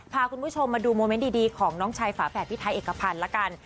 พาคุณผู้ชมมาดูโมเมนต์ดีของน้องชายฝาแฝดพี่ไทยเอกพันธ์ละกัน